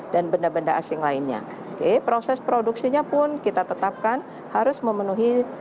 dan benda benda asing lainnya oke proses produksinya pun kita tetapkan harus memenuhi